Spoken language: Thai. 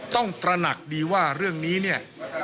ต้องตระหนักดีว่าเรื่องนี้